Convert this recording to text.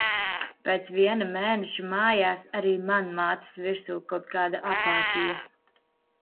Pēc viena mēneša mājās arī man mācas virsū kaut kāda apātija.